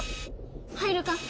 入るか？